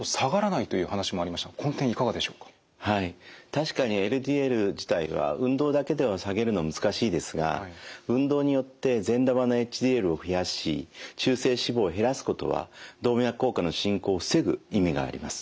確かにＬＤＬ自体は運動だけでは下げるの難しいですが運動によって善玉のＨＤＬを増やし中性脂肪を減らすことは動脈硬化の進行を防ぐ意味があります。